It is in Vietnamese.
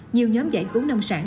nhiều nhóm giải cứu nông sản